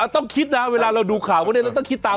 ต้องคิดนะเวลาเราดูข่าวก็ให้เราคิดตาม